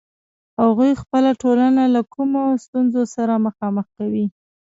هغوی خپله ټولنه له کومو ستونزو سره مخامخ کوي.